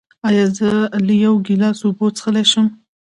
ایا زه له یو ګیلاس اوبه څښلی شم؟